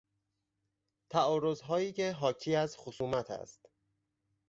تعارضهایی که حاکی از خصومت است